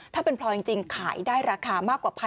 ถ้าเป็นพลอยจริงขายได้ราคามากกว่า๑๐๐